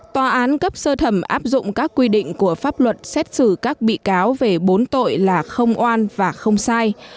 tòa án cấp sơ thẩm áp dụng các quy định của pháp luật xét xử các bị cáo về bốn tội là không oan và không sai